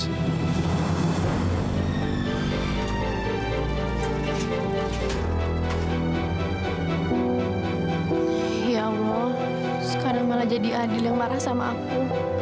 ya allah sekarang malah jadi adil yang marah sama aku